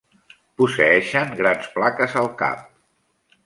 Posseeixen grans plaques al cap.